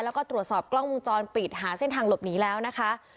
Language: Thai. แล้วก็ตรวจสอบกล้องวงจรปิดหาเส้นทางหลบหนีแล้วนะคะ